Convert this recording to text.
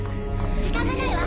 時間がないわ。